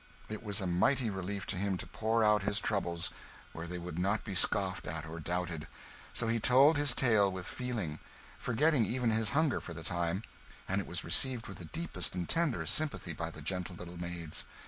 It was a mighty relief to him to pour out his troubles where they would not be scoffed at or doubted; so he told his tale with feeling, forgetting even his hunger for the time; and it was received with the deepest and tenderest sympathy by the gentle little maids.